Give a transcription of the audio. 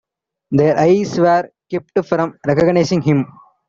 Their eyes were kept from recognizing him.